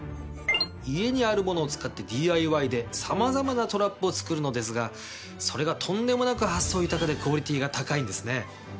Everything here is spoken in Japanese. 家にあるものを使ったＤＩＹでさまざまなトラップを作るのですがそれがとんでもなく発想豊かでクオリティーが高いんですね。